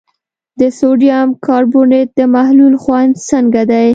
د سوډیم کاربونیټ د محلول خوند څنګه دی؟